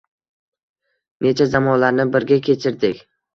Necha zamonlarni birga kechirdik